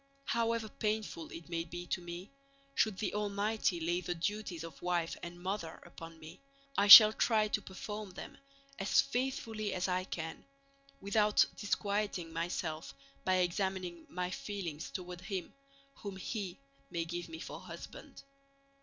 However painful it may be to me, should the Almighty lay the duties of wife and mother upon me I shall try to perform them as faithfully as I can, without disquieting myself by examining my feelings toward him whom He may give me for husband.